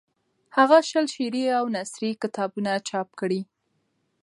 هغه شل شعري او نثري کتابونه چاپ کړي.